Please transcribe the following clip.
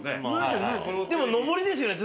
でも上りですよね？